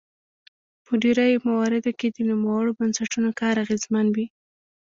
په ډیری مواردو کې د نوموړو بنسټونو کار اغیزمن وي.